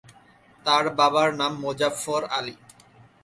তার বাবার নাম মোজাফফর আলী।